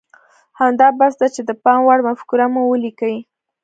همدا بس ده چې د پام وړ مفکوره مو وليکئ.